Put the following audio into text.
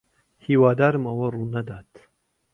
ھیوادارم ئەوە ڕوونەدات.